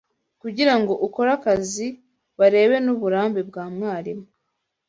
Kugirango ukore akazi bareba n'uburambe bwa mwarimu